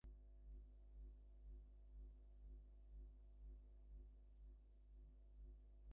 অক্ষয় বলিলেন, নাহয় তোমরা চার ঈশ্বরীই হলে, শাস্ত্রে আছে অধিকন্তু ন দোষায়।